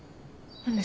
何で？